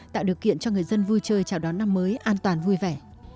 tạo điều kiện cho người dân vui chơi chào đón năm mới an toàn vui vẻ